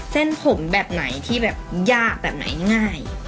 เส้นผมแบบไหนที่แบบยากแบบไหนง่าย